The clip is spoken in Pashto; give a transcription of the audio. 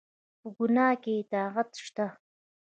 په ګناه کې اطاعت شته؟